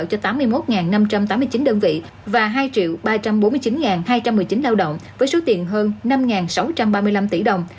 cho tám mươi một năm trăm tám mươi chín đơn vị và hai ba trăm bốn mươi chín hai trăm một mươi chín lao động với số tiền hơn năm sáu trăm ba mươi năm tỷ đồng